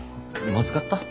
まずかった？